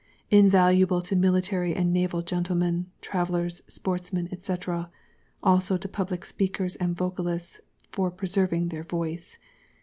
Invaluable to Military and Naval Gentlemen, Travellers, Sportsmen, &c., also to Public Speakers and Vocalists for preserving the Voice.